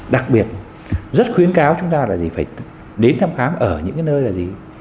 đặc biệt rất khuyến cáo chúng ta là gì phải đến thăm khám ở những nơi là gì